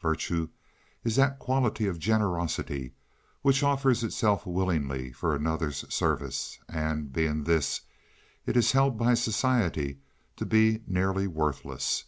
Virtue is that quality of generosity which offers itself willingly for another's service, and, being this, it is held by society to be nearly worthless.